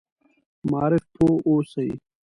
معارف پوه اوسي.